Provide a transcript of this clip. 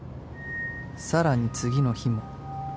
［さらに次の日も］